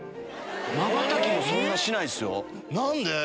まばたきもそんなしないっすよ。何で？